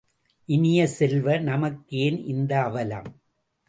இனிய செல்வ நமக்கு ஏன் இந்த அவலம்?